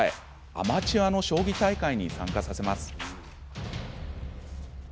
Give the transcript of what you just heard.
アマチュアの将棋大会に参加させます。